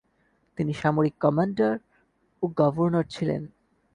তিনি সামরিক কমান্ডার ও গভর্নর ছিলেন।